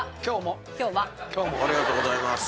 ありがとうございます。